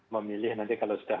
memilih nanti kalau sudah